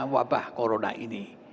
wabah corona ini